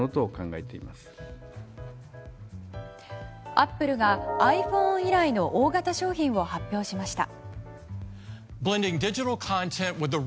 アップルがｉＰｈｏｎｅ以来の大型商品を発表しました。